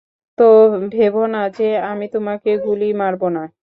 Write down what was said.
তো, ভেবো না যে, আমি তোমাকে গুলি মারবো না।